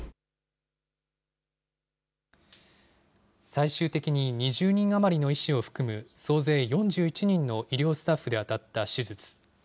最終的に２０人余りの医師を含む総勢４１人の医療スタッフで当たった手術。